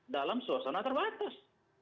dalam suasana terbatas